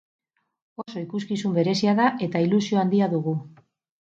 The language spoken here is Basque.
Oso ikuskizun berezia da eta ilusio handia dugu.